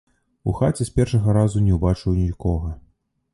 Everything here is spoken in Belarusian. У хаце з першага разу не ўбачыў нікога.